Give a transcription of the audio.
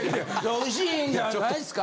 美味しいんじゃないですか。